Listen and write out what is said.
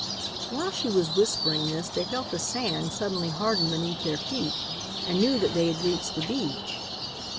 While she was whispering this they felt the sand suddenly harden beneath their feet and knew that they had reached the beach.